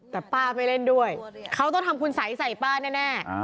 แต่ป้าไม่เล่นด้วยเขาต้องทำคุณสัยใส่ป้าแน่